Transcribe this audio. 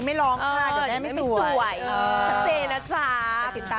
ไม่ลองค่ะ